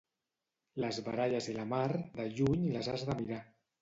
Les baralles i la mar, de lluny les has de mirar.